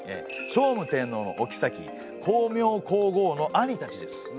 聖武天皇のおきさき光明皇后の兄たちです。